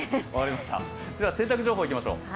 洗濯情報いきましょう。